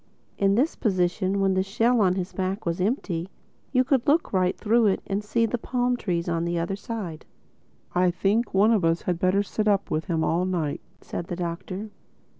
In this position, when the shell on his back was empty, you could look right through it and see the palm trees on the other side. "I think one of us had better sit up with him all night," said the Doctor.